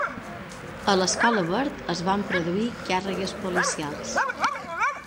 A l'Escola Verd es van produir càrregues policials.